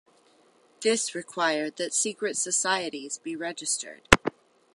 This required that secret societies be registered.